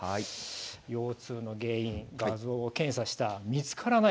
腰痛の原因、画像検査しても見つからない。